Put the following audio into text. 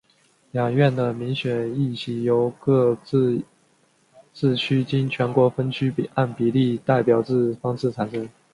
两院的民选议席由各自治区经全国分区按比例代表制方式产生。